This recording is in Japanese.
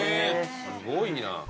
すごいな。